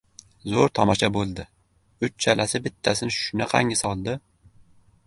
— Zo‘r tomosha bo‘ldi! Uchchalasi bittasini shunaqangi soldi!